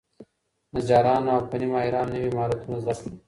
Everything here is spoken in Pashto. نجارانو او فني ماهرانو نوي مهارتونه زده کړل.